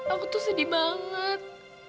aku tuh sedih banget